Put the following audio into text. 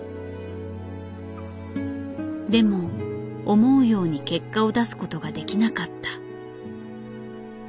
でも思うように結果を出すことができなかった。